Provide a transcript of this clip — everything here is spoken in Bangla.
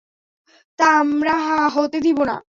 তা আমরা হতে দিব না!